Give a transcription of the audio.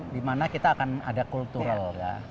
di mana kita akan ada kultural ya